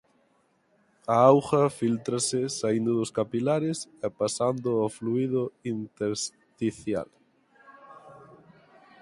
A auga fíltrase saíndo dos capilares e pasando ao fluído intersticial.